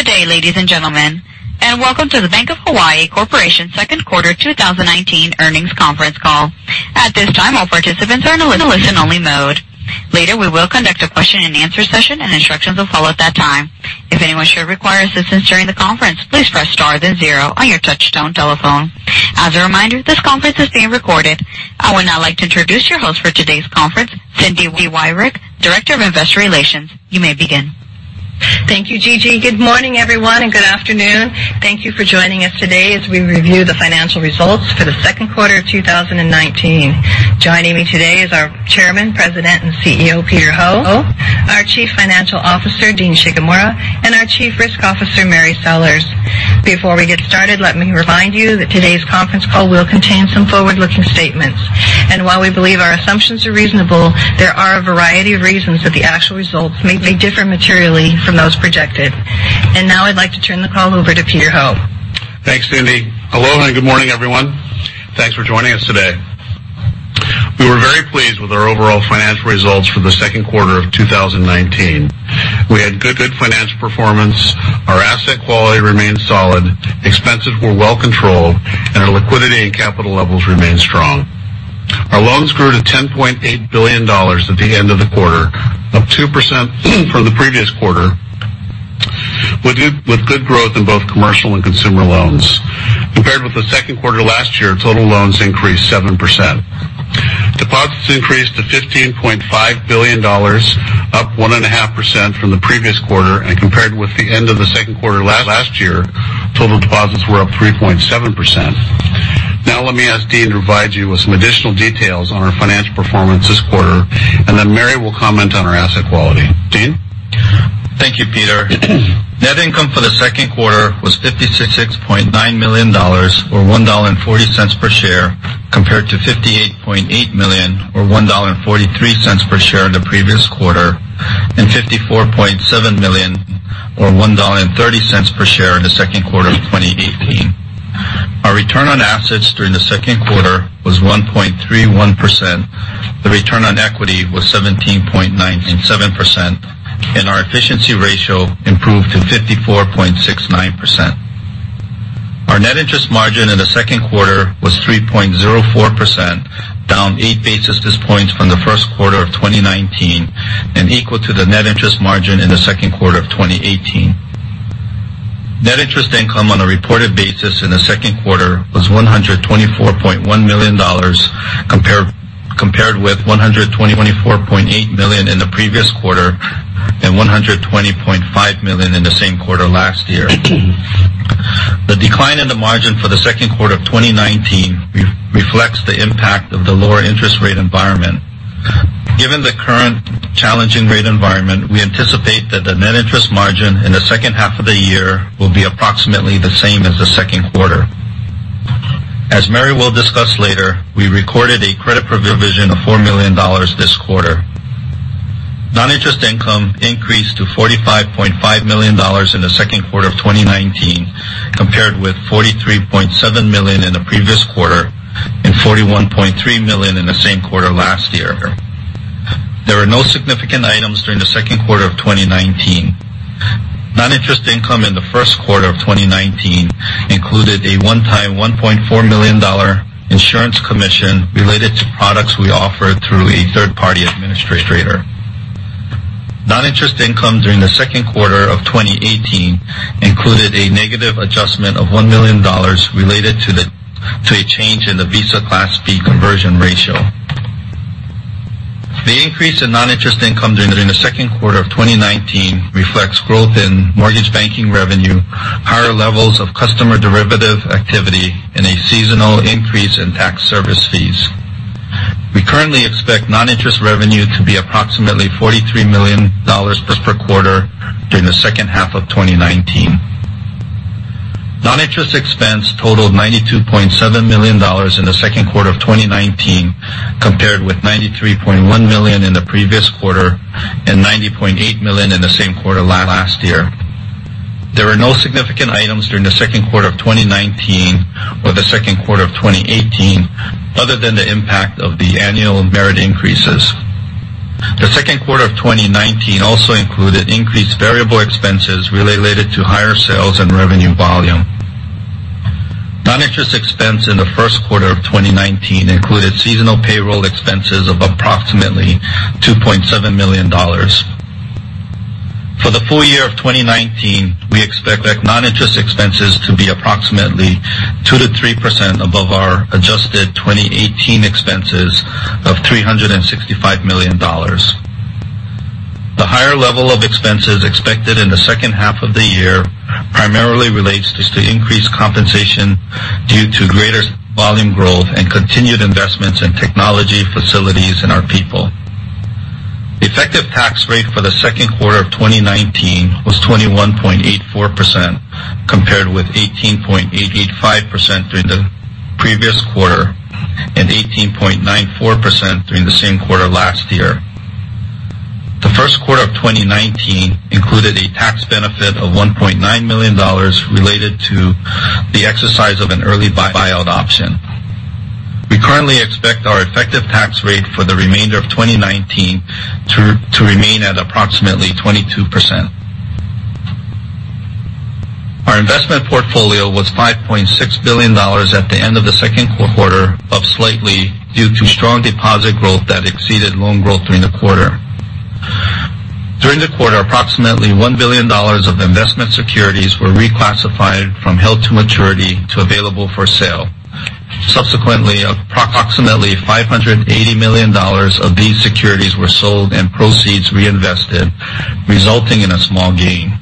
Good day, ladies and gentlemen, and welcome to the Bank of Hawaii Corporation second quarter 2019 earnings conference call. At this time, all participants are in listen only mode. Later, we will conduct a question and answer session, and instructions will follow at that time. If anyone should require assistance during the conference, please press star then zero on your touchtone telephone. As a reminder, this conference is being recorded. I would now like to introduce your host for today's conference, Cindy Wyrick, Director of Investor Relations. You may begin. Thank you, Gigi. Good morning, everyone, and good afternoon. Thank you for joining us today as we review the financial results for the second quarter of 2019. Joining me today is our Chairman, President, and CEO, Peter Ho, our Chief Financial Officer, Dean Shigemura, and our Chief Risk Officer, Mary Sellers. Before we get started, let me remind you that today's conference call will contain some forward-looking statements. While we believe our assumptions are reasonable, there are a variety of reasons that the actual results may be different materially from those projected. Now I'd like to turn the call over to Peter Ho. Thanks, Cindy. Hello, and good morning, everyone. Thanks for joining us today. We were very pleased with our overall financial results for the second quarter of 2019. We had good financial performance. Our asset quality remained solid. Expenses were well controlled. Our liquidity and capital levels remained strong. Our loans grew to $10.8 billion at the end of the quarter, up 2% from the previous quarter, with good growth in both commercial and consumer loans. Compared with the second quarter last year, total loans increased 7%. Deposits increased to $15.5 billion, up 1.5% from the previous quarter. Compared with the end of the second quarter last year, total deposits were up 3.7%. Let me ask Dean to provide you with some additional details on our financial performance this quarter, and then Mary will comment on our asset quality. Dean? Thank you, Peter. Net income for the second quarter was $56.9 million, or $1.40 per share, compared to $58.8 million, or $1.43 per share in the previous quarter, and $54.7 million, or $1.30 per share in the second quarter of 2018. Our return on assets during the second quarter was 1.31%. The return on equity was 17.97%, and our efficiency ratio improved to 54.69%. Our net interest margin in the second quarter was 3.04%, down eight basis points from the first quarter of 2019, and equal to the net interest margin in the second quarter of 2018. Net interest income on a reported basis in the second quarter was $124.1 million, compared with $124.8 million in the previous quarter and $120.5 million in the same quarter last year. The decline in the margin for the second quarter of 2019 reflects the impact of the lower interest rate environment. Given the current challenging rate environment, we anticipate that the net interest margin in the second half of the year will be approximately the same as the second quarter. As Mary will discuss later, we recorded a credit provision of $4 million this quarter. Non-interest income increased to $45.5 million in the second quarter of 2019, compared with $43.7 million in the previous quarter and $41.3 million in the same quarter last year. There were no significant items during the second quarter of 2019. Non-interest income in the first quarter of 2019 included a one-time $1.4 million insurance commission related to products we offer through a third-party administrator. Non-interest income during the second quarter of 2018 included a negative adjustment of $1 million related to a change in the Visa Class B conversion ratio. The increase in noninterest income during the second quarter of 2019 reflects growth in mortgage banking revenue, higher levels of customer derivative activity, and a seasonal increase in tax service fees. We currently expect noninterest revenue to be approximately $43 million per quarter during the second half of 2019. Noninterest expense totaled $92.7 million in the second quarter of 2019, compared with $93.1 million in the previous quarter and $90.8 million in the same quarter last year. There were no significant items during the second quarter of 2019 or the second quarter of 2018, other than the impact of the annual merit increases. The second quarter of 2019 also included increased variable expenses related to higher sales and revenue volume. Noninterest expense in the first quarter of 2019 included seasonal payroll expenses of approximately $2.7 million. For the full year of 2019, we expect noninterest expenses to be approximately 2%-3% above our adjusted 2018 expenses of $365 million. The higher level of expenses expected in the second half of the year primarily relates to increased compensation due to greater volume growth and continued investments in technology, facilities, and our people. The effective tax rate for the second quarter of 2019 was 21.84%, compared with 18.85% during the previous quarter and 18.94% during the same quarter last year. The first quarter of 2019 included a tax benefit of $1.9 million related to the exercise of an early buyout option. We currently expect our effective tax rate for the remainder of 2019 to remain at approximately 22%. Our investment portfolio was $5.6 billion at the end of the second quarter, up slightly due to strong deposit growth that exceeded loan growth during the quarter. During the quarter, approximately $1 billion of investment securities were reclassified from held to maturity to available for sale. Subsequently, approximately $580 million of these securities were sold and proceeds reinvested, resulting in a small gain.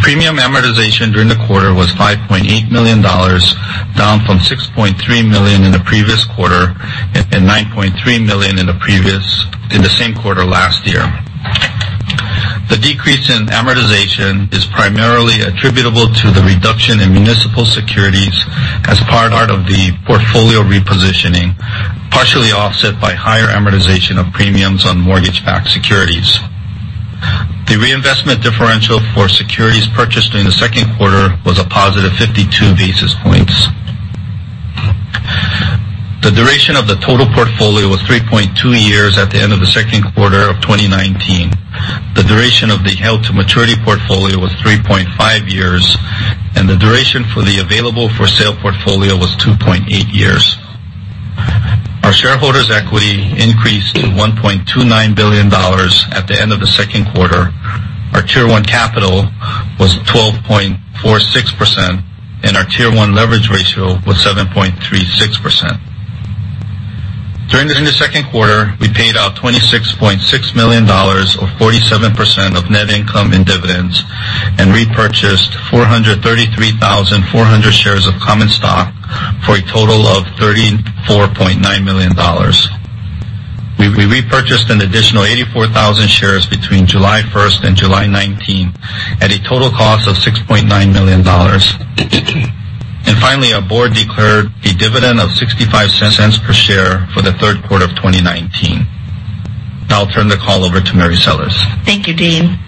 Premium amortization during the quarter was $5.8 million, down from $6.3 million in the previous quarter and $9.3 million in the same quarter last year. The decrease in amortization is primarily attributable to the reduction in municipal securities as part of the portfolio repositioning, partially offset by higher amortization of premiums on mortgage-backed securities. The reinvestment differential for securities purchased during the second quarter was a positive 52 basis points. The duration of the total portfolio was 3.2 years at the end of the second quarter of 2019. The duration of the held to maturity portfolio was 3.5 years, and the duration for the available for sale portfolio was 2.8 years. Our shareholders' equity increased to $1.29 billion at the end of the second quarter. Our Tier 1 capital was 12.46%, and our Tier 1 leverage ratio was 7.36%. During the second quarter, we paid out $26.6 million, or 47% of net income in dividends, and repurchased 433,400 shares of common stock for a total of $34.9 million. We repurchased an additional 84,000 shares between July 1st and July 19th at a total cost of $6.9 million. Finally, our board declared a dividend of $0.65 per share for the third quarter of 2019. I'll turn the call over to Mary Sellers. Thank you, Dean.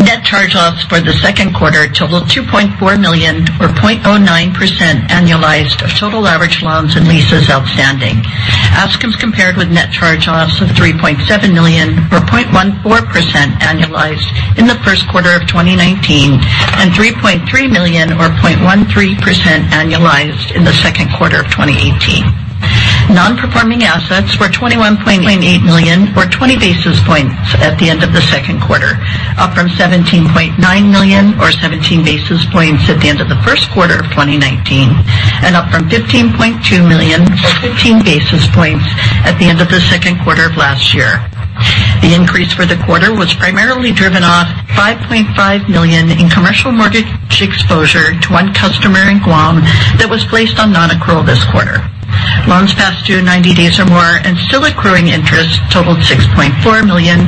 Net charge-offs for the second quarter totaled $2.4 million or 0.09% annualized of total average loans and leases outstanding. As compared with net charge-offs of $3.7 million or 0.14% annualized in the first quarter of 2019 and $3.3 million or 0.13% annualized in the second quarter of 2018. Non-performing assets were $21.8 million or 20 basis points at the end of the second quarter, up from $17.9 million or 17 basis points at the end of the first quarter of 2019, and up from $15.2 million or 15 basis points at the end of the second quarter of last year. The increase for the quarter was primarily driven off $5.5 million in commercial mortgage exposure to one customer in Guam that was placed on nonaccrual this quarter. Loans past due 90 days or more and still accruing interest totaled $6.4 million,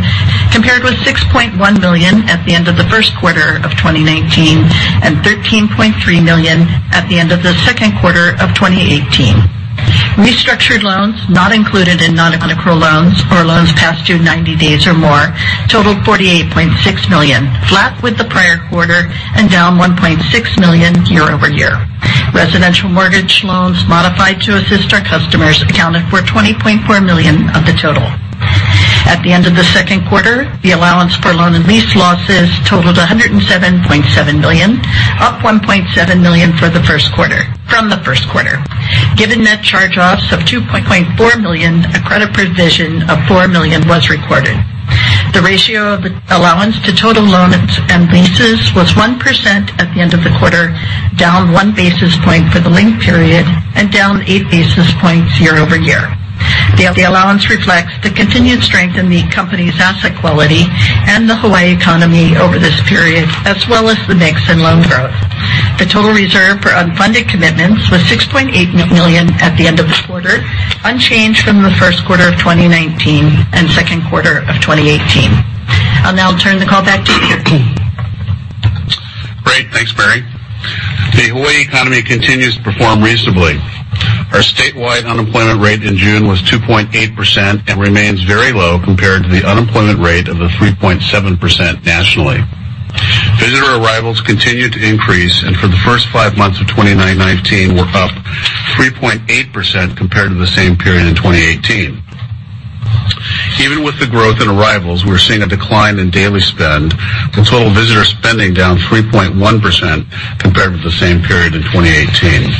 compared with $6.1 million at the end of the first quarter of 2019 and $13.3 million at the end of the second quarter of 2018. Restructured loans, not included in nonaccrual loans or loans past due 90 days or more, totaled $48.6 million, flat with the prior quarter and down $1.6 million year-over-year. Residential mortgage loans modified to assist our customers accounted for $20.4 million of the total. At the end of the second quarter, the allowance for loan and lease losses totaled $107.7 million, up $1.7 million from the first quarter. Given net charge-offs of $2.4 million, a credit provision of $4 million was recorded. The ratio of allowance to total loans and leases was 1% at the end of the quarter, down one basis point for the linked period and down eight basis points year-over-year. The allowance reflects the continued strength in the company's asset quality and the Hawaii economy over this period, as well as the mix in loan growth. The total reserve for unfunded commitments was $6.8 million at the end of the quarter, unchanged from the first quarter of 2019 and second quarter of 2018. I'll now turn the call back to Peter. Great. Thanks, Mary. The Hawaii economy continues to perform reasonably. Our statewide unemployment rate in June was 2.8% and remains very low compared to the unemployment rate of 3.7% nationally. Visitor arrivals continue to increase, and for the first five months of 2019 were up 3.8% compared to the same period in 2018. Even with the growth in arrivals, we're seeing a decline in daily spend with total visitor spending down 3.1% compared with the same period in 2018.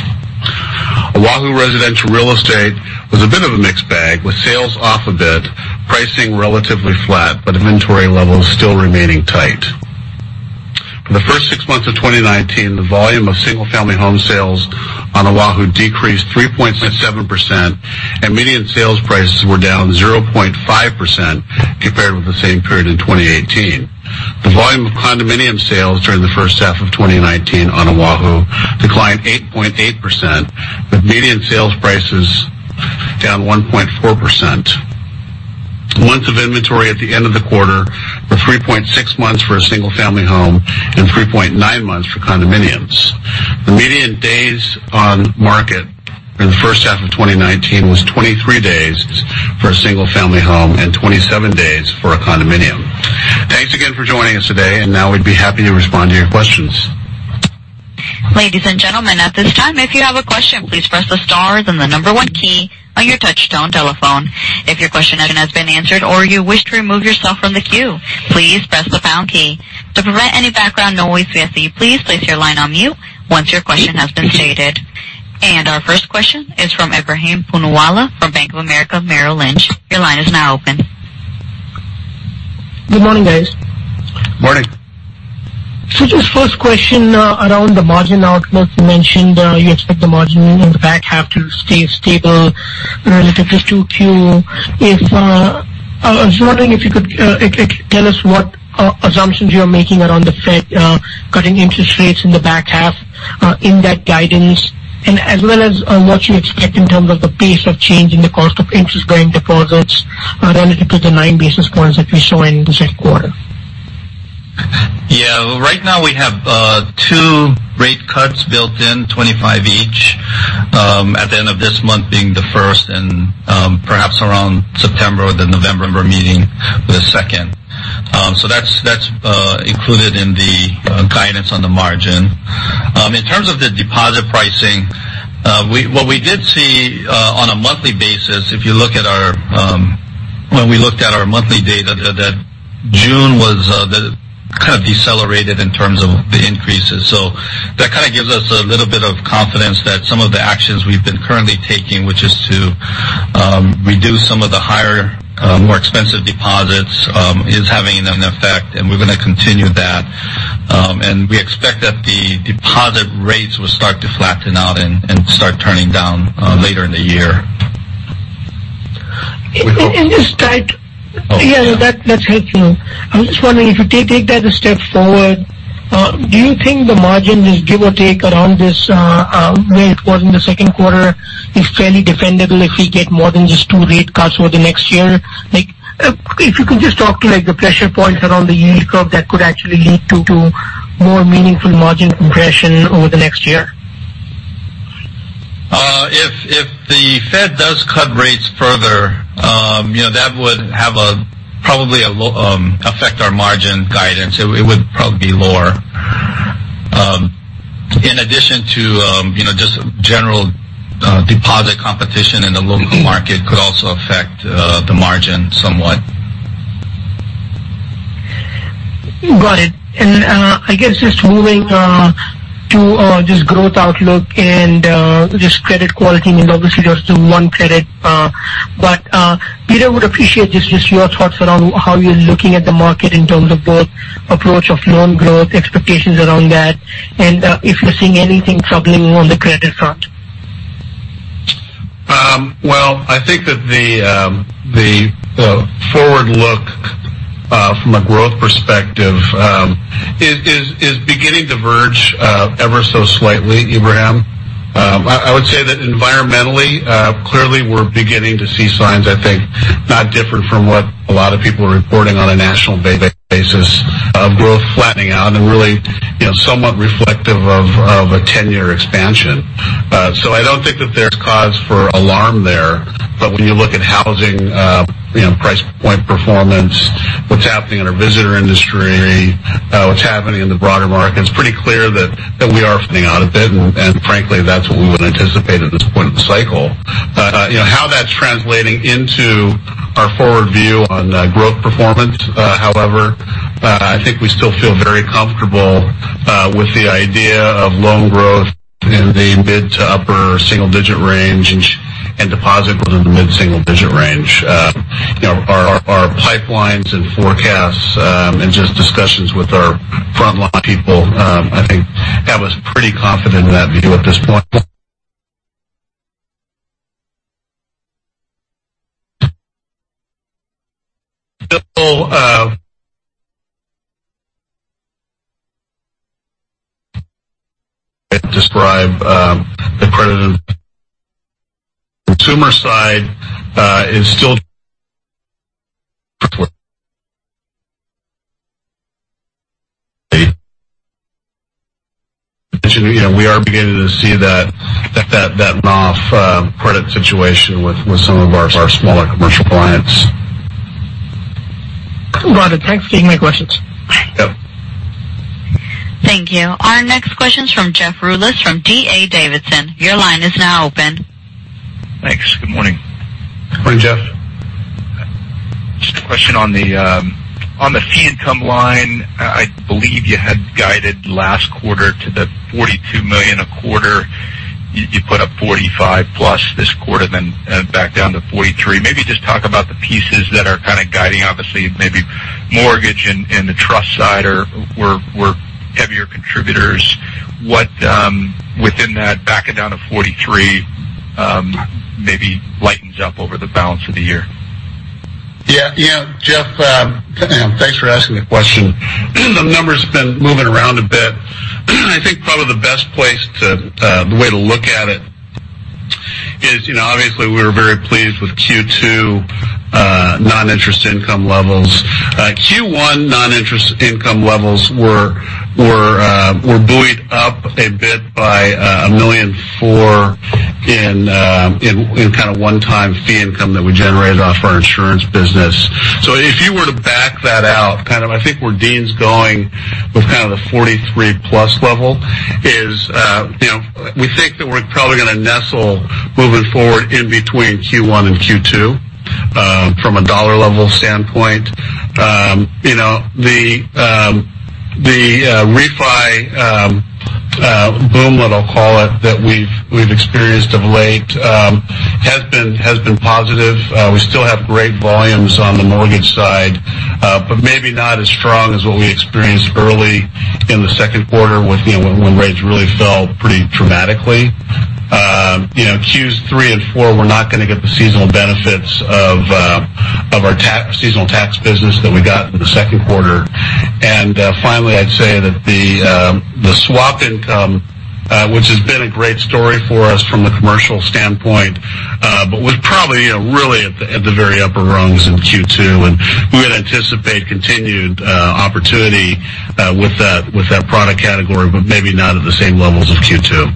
Oahu residential real estate was a bit of a mixed bag with sales off a bit, pricing relatively flat, but inventory levels still remaining tight. For the first six months of 2019, the volume of single-family home sales on Oahu decreased 3.7%, and median sales prices were down 0.5% compared with the same period in 2018. The volume of condominium sales during the first half of 2019 on Oahu declined 8.8%, with median sales prices down 1.4%. Months of inventory at the end of the quarter were 3.6 months for a single-family home and 3.9 months for condominiums. The median days on market in the first half of 2019 was 23 days for a single-family home and 27 days for a condominium. Thank you for joining us today, and now we'd be happy to respond to your questions. Ladies and gentlemen, at this time, if you have a question, please press the star, then the number 1 key on your touchtone telephone. If your question has been answered or you wish to remove yourself from the queue, please press the pound key. To prevent any background noise, we ask that you please place your line on mute once your question has been stated. Our first question is from Ebrahim Poonawala from Bank of America Merrill Lynch. Your line is now open. Good morning, guys. Morning. Just first question around the margin outlook. You mentioned you expect the margin in the back half to stay stable relative to Q. I was wondering if you could tell us what assumptions you're making around the Fed cutting interest rates in the back half in that guidance, and as well as what you expect in terms of the pace of change in the cost of interest-bearing deposits relative to the nine basis points that you show in the second quarter. Yeah. Well, right now we have two rate cuts built in, 25 each. At the end of this month being the first and perhaps around September or the November meeting, the second. That's included in the guidance on the margin. In terms of the deposit pricing, what we did see on a monthly basis when we looked at our monthly data, that June kind of decelerated in terms of the increases. That kind of gives us a little bit of confidence that some of the actions we've been currently taking, which is to reduce some of the higher, more expensive deposits is having an effect, and we're going to continue that. We expect that the deposit rates will start to flatten out and start turning down later in the year. Yeah, that's helpful. I'm just wondering if you take that a step forward. Do you think the margin is give or take around this, where it was in the second quarter is fairly defendable if we get more than just two rate cuts over the next year? If you could just talk to the pressure points around the yield curve that could actually lead to more meaningful margin compression over the next year. If the Fed does cut rates further, that would probably affect our margin guidance. It would probably be lower. In addition to just general deposit competition in the local market could also affect the margin somewhat. Got it. I guess just moving to just growth outlook and just credit quality, and obviously just the one credit but Peter would appreciate just your thoughts around how you're looking at the market in terms of both approach of loan growth, expectations around that, and if you're seeing anything troubling on the credit front. Well, I think that the forward look from a growth perspective is beginning to verge ever so slightly, Ebrahim. I would say that environmentally, clearly we're beginning to see signs, I think, not different from what a lot of people are reporting on a national basis of growth flattening out and really somewhat reflective of a 10-year expansion. I don't think that there's cause for alarm there. When you look at housing price point performance, what's happening in our visitor industry, what's happening in the broader market, it's pretty clear that we are flattening out a bit, and frankly, that's what we would anticipate at this point in the cycle. How that's translating into our forward view on growth performance however, I think we still feel very comfortable with the idea of loan growth in the mid to upper single-digit range and deposit growth in the mid-single digit range. Our pipelines and forecasts, and just discussions with our frontline people, I think have us pretty confident in that view at this point. Still describe the credit consumer side is still mentioned, we are beginning to see that rough credit situation with some of our smaller commercial clients. Got it. Thanks for taking my questions. Yep. Thank you. Our next question's from Jeff Rulis from D.A. Davidson. Your line is now open. Thanks. Good morning. Morning, Jeff. Just a question on the fee income line. I believe you had guided last quarter to the $42 million a quarter. You put up $45 plus this quarter, back down to $43. Maybe just talk about the pieces that are kind of guiding. Obviously, maybe mortgage and the trust side were heavier contributors. What within that backing down to $43 maybe lightens up over the balance of the year? Yeah. Jeff, thanks for asking the question. The number's been moving around a bit. I think probably the way to look at it. Obviously, we were very pleased with Q2 noninterest income levels. Q1 noninterest income levels were buoyed up a bit by $1.4 million in one-time fee income that we generated off our insurance business. If you were to back that out, I think where Dean's going with the 43-plus level is we think that we're probably going to nestle moving forward in between Q1 and Q2 from a dollar level standpoint. The refi boom, let's call it, that we've experienced of late has been positive. We still have great volumes on the mortgage side, but maybe not as strong as what we experienced early in the second quarter when rates really fell pretty dramatically. Q3 and Q4, we're not going to get the seasonal benefits of our seasonal tax business that we got in the second quarter. Finally, I'd say that the swap income, which has been a great story for us from the commercial standpoint, but was probably really at the very upper rungs in Q2. We would anticipate continued opportunity with that product category, but maybe not at the same levels as Q2.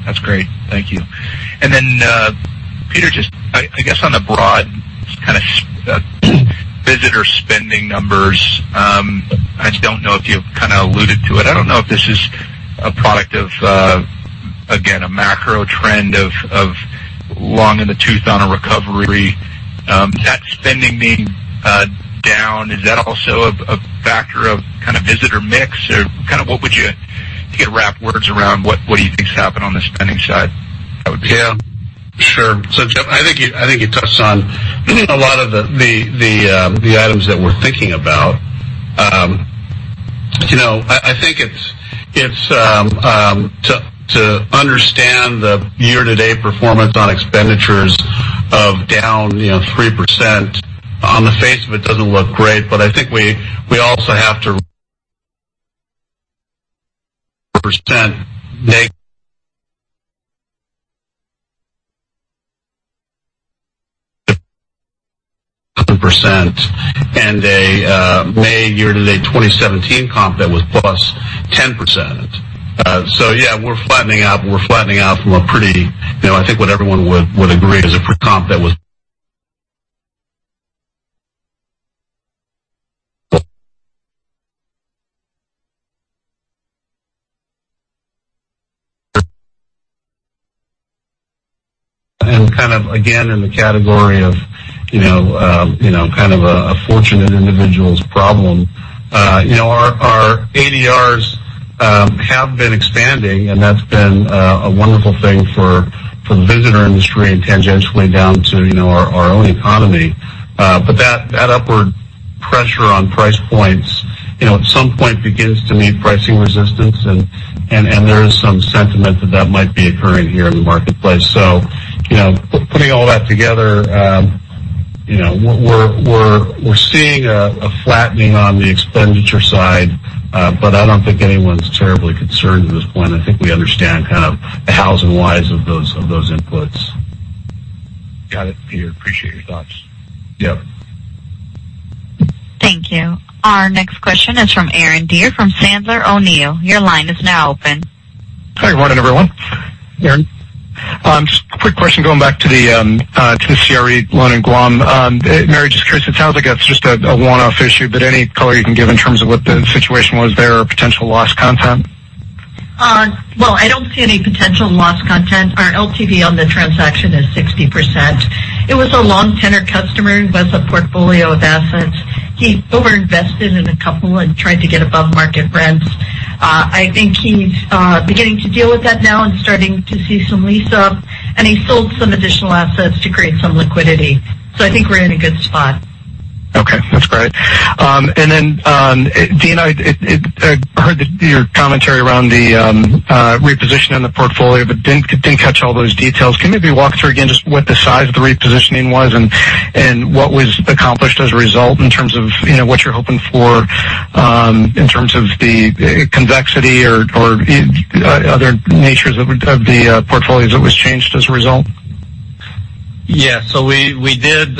Okay. That's great. Thank you. Peter, just, I guess on a broad kind of visitor spending numbers, I just don't know if you've kind of alluded to it. I don't know if this is a product of, again, a macro trend of long in the tooth on a recovery. That spending being down, is that also a factor of kind of visitor mix? If you could wrap words around what do you think has happened on the spending side? That would be helpful. Yeah. Sure. Jeff, I think you touched on a lot of the items that we're thinking about. I think to understand the year-to-date performance on expenditures of down 3%, on the face of it doesn't look great. I think we also have to percent and a May year-to-date 2017 comp that was +10%. Yeah, we're flattening out, but we're flattening out from a pretty I think what everyone would agree is a comp that was and kind of again in the category of a fortunate individual's problem. Our ADRs have been expanding, and that's been a wonderful thing for the visitor industry and tangentially down to our own economy. That upward pressure on price points at some point begins to meet pricing resistance, and there is some sentiment that that might be occurring here in the marketplace. Putting all that together, we're seeing a flattening on the expenditure side. I don't think anyone's terribly concerned at this point. I think we understand kind of the hows and whys of those inputs. Got it, Peter. Appreciate your thoughts. Yep. Thank you. Our next question is from Aaron Deer from Sandler O'Neill. Your line is now open. Hi. Good morning, everyone. Aaron. Just a quick question going back to the CRE loan in Guam. Mary, just curious, it sounds like that's just a one-off issue, but any color you can give in terms of what the situation was there or potential loss content? Well, I don't see any potential loss content. Our LTV on the transaction is 60%. It was a long-tenured customer who has a portfolio of assets. He over-invested in a couple and tried to get above-market rents. I think he's beginning to deal with that now and starting to see some lease up, and he sold some additional assets to create some liquidity. I think we're in a good spot. Okay, that's great. Dean, I heard your commentary around the repositioning the portfolio but didn't catch all those details. Can you maybe walk through again just what the size of the repositioning was and what was accomplished as a result in terms of what you're hoping for in terms of the convexity or other natures of the portfolio that was changed as a result? Yeah. We did,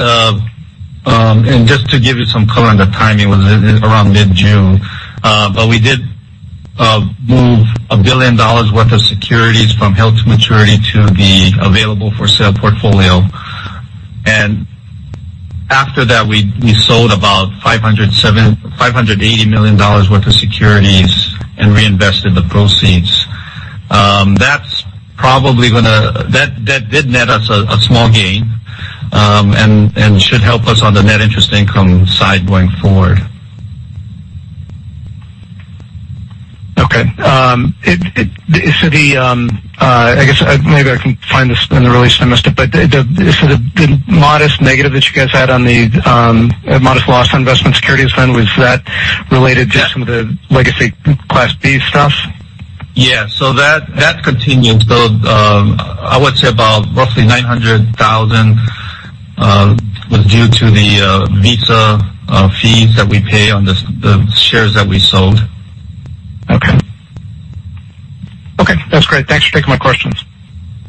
and just to give you some color on the timing, it was around mid-June. We did move $1 billion worth of securities from held-to-maturity to the available-for-sale portfolio. After that, we sold about $580 million worth of securities and reinvested the proceeds. That did net us a small gain, and should help us on the net interest income side going forward. Okay. I guess maybe I can find this in the release next, but is the modest negative that you guys had on the modest loss on investment securities then, was that related to some of the legacy Class B stuff? Yeah. That continues. I would say about roughly $900,000 was due to the Visa fees that we pay on the shares that we sold. Okay. That's great. Thanks for taking my questions.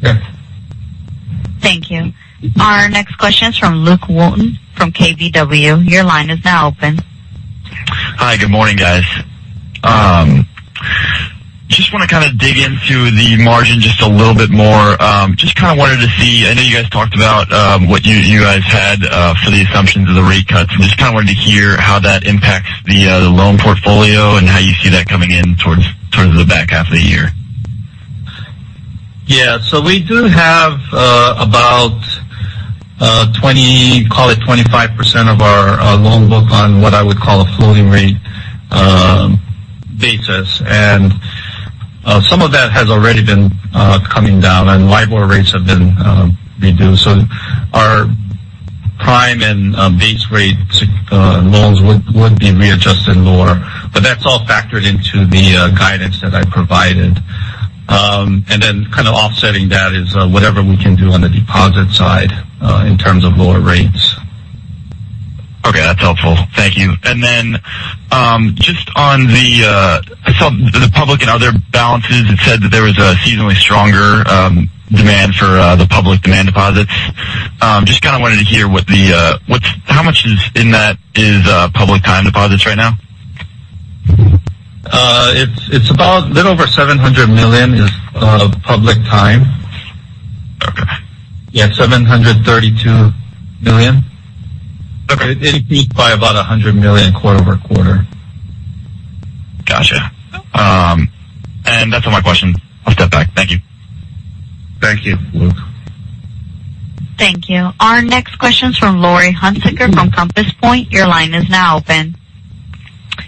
Yeah. Thank you. Our next question is from Luke Wooten from KBW. Your line is now open. Hi. Good morning, guys. Just want to kind of dig into the margin just a little bit more. Just kind of wanted to see, I know you guys talked about what you guys had for the assumptions of the rate cuts. I just kind of wanted to hear how that impacts the loan portfolio and how you see that coming in towards the back half of the year. Yeah. We do have about call it 25% of our loan book on what I would call a floating rate basis. Some of that has already been coming down and LIBOR rates have been reduced. Our prime and base rate loans would be readjusted lower. That's all factored into the guidance that I provided. Kind of offsetting that is whatever we can do on the deposit side in terms of lower rates. Okay. That's helpful. Thank you. Then just on the public and other balances, it said that there was a seasonally stronger demand for the public demand deposits. Just kind of wanted to hear how much in that is public time deposits right now? It's about a little over $700 million is public time. Okay. Yeah, $732 million. Okay. It increased by about $100 million quarter-over-quarter. Got you. That's all my questions. I'll step back. Thank you. Thank you, Luke. Thank you. Our next question's from Laurie Hunsicker from Compass Point. Your line is now open.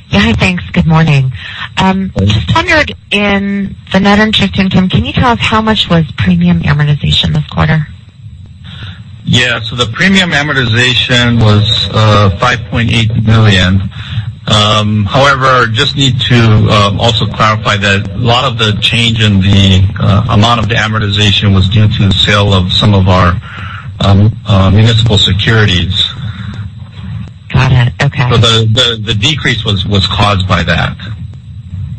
Yeah. Hi, thanks. Good morning. Just wondered in the net interest income, can you tell us how much was premium amortization this quarter? Yeah. The premium amortization was $5.8 million. However, I just need to also clarify that a lot of the change in the amount of the amortization was due to the sale of some of our municipal securities. Got it. Okay. The decrease was caused by that.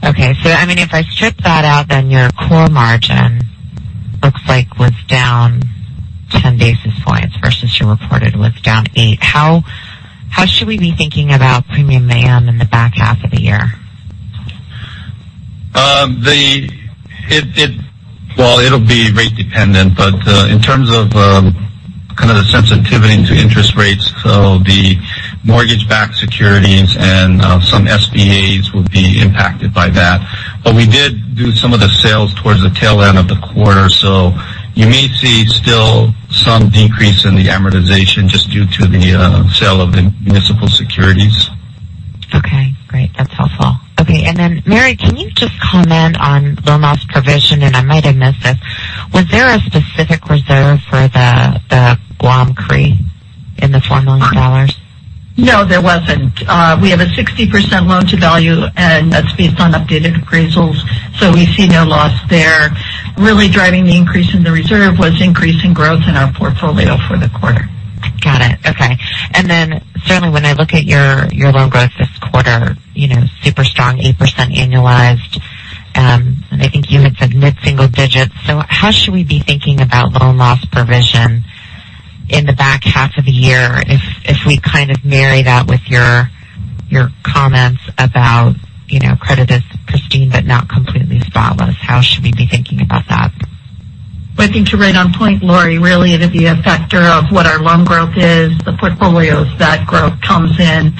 Okay. I mean, if I strip that out, then your core margin looks like was down 10 basis points versus you reported was down eight. How should we be thinking about premium AM in the back half of the year? Well, it'll be rate dependent, but in terms of kind of the sensitivity to interest rates, so the mortgage-backed securities and some SBAs would be impacted by that. We did do some of the sales towards the tail end of the quarter. You may see still some decrease in the amortization just due to the sale of the municipal securities. Okay, great. That's helpful. Okay, Mary, can you just comment on loan loss provision, and I might have missed this. Was there a specific reserve for the Guam CRE in the $4 million? No, there wasn't. We have a 60% loan to value. That's based on updated appraisals. We see no loss there. Really driving the increase in the reserve was increase in growth in our portfolio for the quarter. Got it. Okay. Certainly when I look at your loan growth this quarter, super strong, 8% annualized. I think you had said mid-single digits. How should we be thinking about loan loss provision in the back half of the year if we kind of marry that with your comments about credit is pristine but not completely spotless. How should we be thinking about that? Well, I think you're right on point, Laurie. Really, it'll be a factor of what our loan growth is, the portfolios that growth comes in,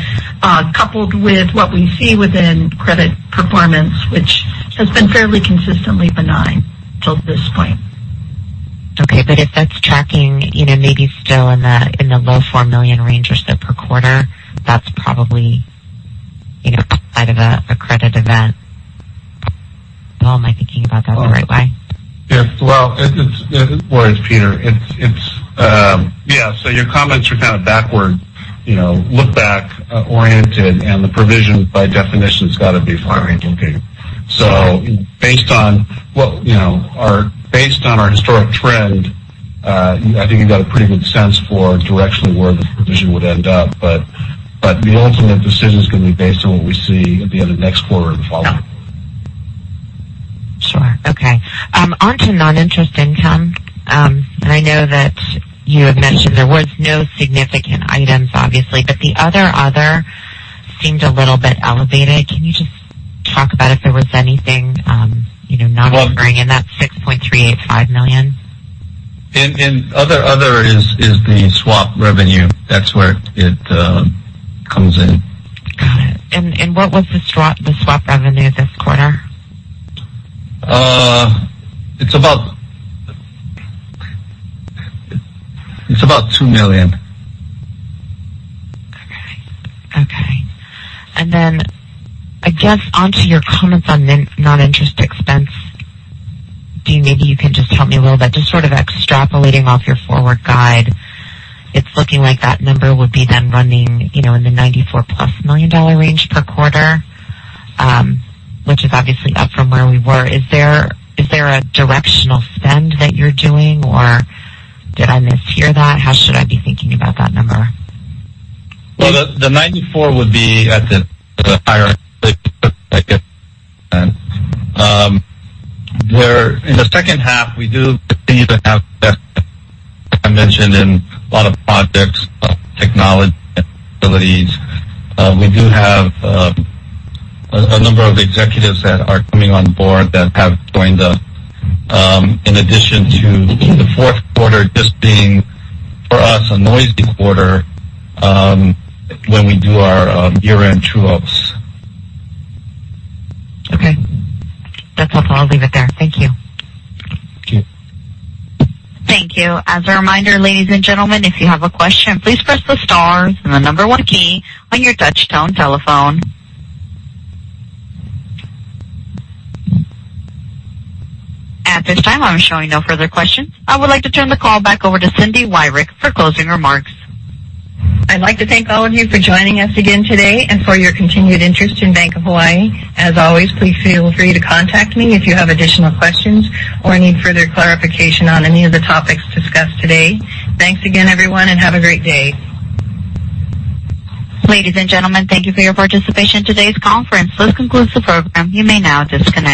coupled with what we see within credit performance, which has been fairly consistently benign till this point. Okay, if that's tracking maybe still in the low $4 million range or so per quarter, that's probably outside of a credit event. Peter, am I thinking about that the right way? Well, it's Peter. Yeah, your comments are kind of backward, look back oriented, and the provision by definition has got to be forward-looking. Based on our historic trend, I think you've got a pretty good sense for directionally where the provision would end up. The ultimate decision is going to be based on what we see at the end of next quarter and the following quarter. Sure. Okay. On to non-interest income. I know that you had mentioned there was no significant items, obviously, but the other seemed a little bit elevated. Can you just talk about if there was anything non-recurring in that $6.385 million? In other is the swap revenue. That's where it comes in. Got it. What was the swap revenue this quarter? It's about $2 million. Okay. I guess onto your comments on non-interest expense. Dean, maybe you can just help me a little bit, just sort of extrapolating off your forward guide. It's looking like that number would be then running in the $94+ million dollar range per quarter. Which is obviously up from where we were. Is there a directional spend that you're doing or did I mishear that? How should I be thinking about that number? Well, the 94 would be at the higher end. In the second half, we do continue to have I mentioned in a lot of projects, a lot of technology and abilities. We do have a number of executives that are coming on board that have joined us. In addition to the fourth quarter just being, for us, a noisy quarter when we do our year-end true-ups. Okay. That's helpful. I'll leave it there. Thank you. Okay. Thank you. As a reminder, ladies and gentlemen, if you have a question, please press the star and the number one key on your touchtone telephone. At this time, I'm showing no further questions. I would like to turn the call back over to Cindy Wyrick for closing remarks. I'd like to thank all of you for joining us again today and for your continued interest in Bank of Hawaii. As always, please feel free to contact me if you have additional questions or need further clarification on any of the topics discussed today. Thanks again, everyone, and have a great day. Ladies and gentlemen, thank you for your participation in today's conference. This concludes the program. You may now disconnect.